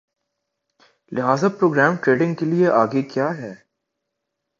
لہذا programme trading کے لیے آگے کِیا ہے